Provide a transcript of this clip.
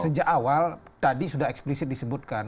sejak awal tadi sudah eksplisit disebutkan